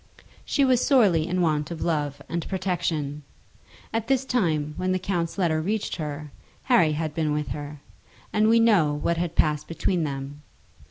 She was sorely in want of love and protection. At this time, when the count's letter reached her, Harry had been with her; and we know what had passed between them.